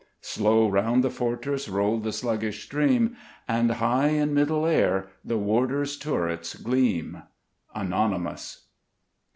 Slow round the fortress rolled the sluggish stream, And high in middle air the warder's turrets gleam. _Anonymous.